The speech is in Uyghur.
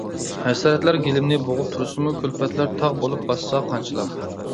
ھەسرەتلەر گېلىمنى بوغۇپ تۇرسىمۇ، كۈلپەتلەر تاغ بولۇپ باسسا قانچىلاپ.